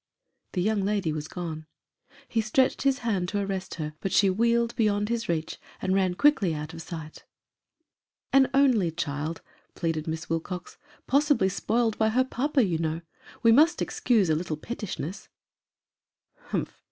The young lady was gone. He stretched his hand to arrest her, but she wheeled beyond his reach, and ran quickly out of sight. " An only child," pleaded Miss Wilcox ;" possibly spoiled by her papa, you know ; we must excuse a little pettishness." " Humph !